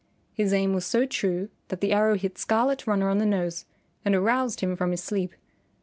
His aim was so true that the arrow hit Scarlet Runner on the nose and aroused him from his sleep.